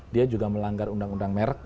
dia juga melanggar undang undang merek